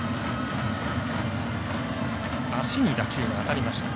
足に打球が当たりました。